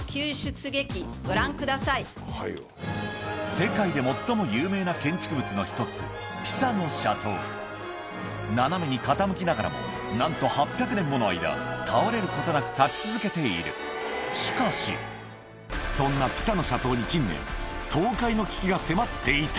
世界で最も有名な建築物の１つ斜めに傾きながらもなんと８００年もの間倒れることなく立ち続けているしかしそんなピサの斜塔に近年が迫っていた